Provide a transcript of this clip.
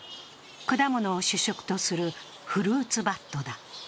果物を主食とするフルーツバットだ。